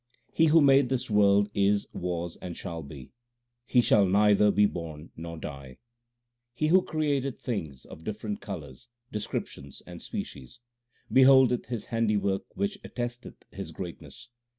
He who made this world is, was, and shall be ; he shall neither be born nor die. He who created things of different colours, descriptions, and species, Beholdeth His handiwork which attesteth His greatness.